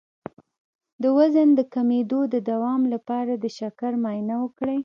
د وزن د کمیدو د دوام لپاره د شکر معاینه وکړئ